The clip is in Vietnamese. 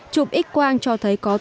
chụp x quang cho thấy có tổn thương